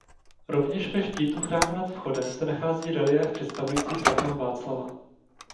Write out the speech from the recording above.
Rovněž ve štítu chrámu nad vchodem se nachází reliéf představující svatého Václava.